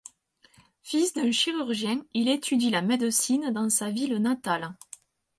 Fils d'un chirurgien, il étudie la médecine dans sa ville natale.